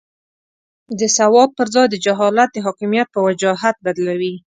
د سواد پر ځای جهالت د حاکمیت په وجاهت بدلوي.